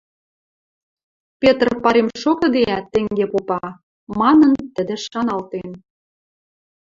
«Петр парем шоктыдеӓт, тенге попа» манын, тӹдӹ шаналтен.